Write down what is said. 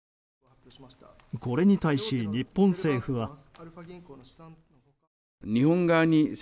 これに対し、日本政府は。